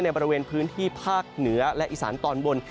บริเวณพื้นที่ภาคเหนือและอีสานตอนบน